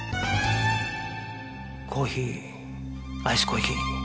コーヒーアイスコーヒー。